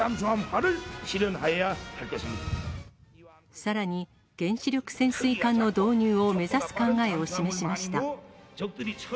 さらに、原子力潜水艦の導入を目指す考えを示しました。